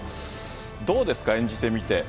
どうですか、演じてみて。